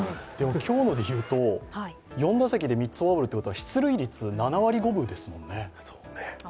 今日ので言うと４打席で３つフォアボールですから、出塁率７割５分ですもんね。